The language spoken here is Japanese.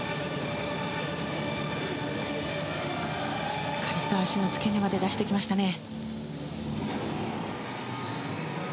しっかりと脚の付け根まで出してきましたね。